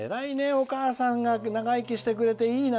お母さんが長生きしてくれていいな。